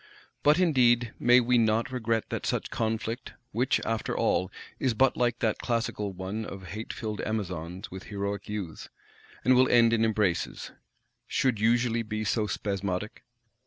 But indeed may we not regret that such conflict,—which, after all, is but like that classical one of "hate filled Amazons with heroic Youths," and will end in embraces,—should usually be so spasmodic?